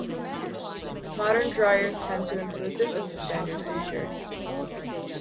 Modern dryers tend to include this as a standard feature.